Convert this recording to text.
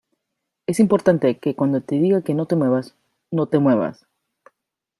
es importante que cuando te diga que no te muevas, no te muevas.